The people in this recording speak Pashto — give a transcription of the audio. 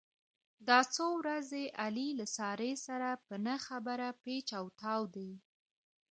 دا څو ورځې علي له سارې سره په نه خبره پېچ او تاو دی.